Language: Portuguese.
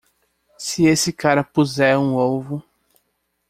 Se esse cara puser um ovo.